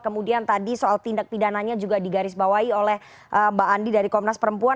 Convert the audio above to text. kemudian tadi soal tindak pidananya juga digarisbawahi oleh mbak andi dari komnas perempuan